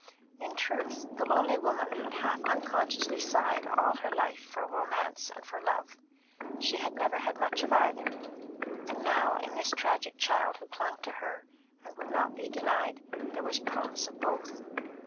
In truth, the lonely woman had half unconsciously sighed all her life for romance and for love. She had never had much of either, and now, in this tragic child who clung to her and would not be denied, there was promise of both.